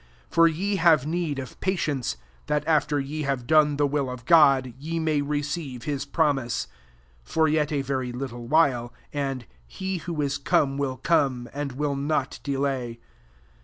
$6 For ye have need of patience; that, after ye have done the will of God, ye may receive hU promise. 37 For yet a very little while, and ^^ he who is to come will come, and will not delay.''